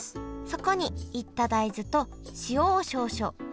そこに煎った大豆と塩を少々。